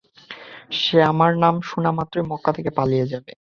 সে আমার নাম শুনামাত্রই মক্কা থেকে পালিয়ে যাবে।